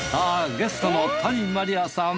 ゲストの谷まりあさん。